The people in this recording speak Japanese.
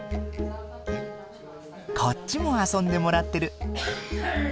こっちも遊んでもらってる。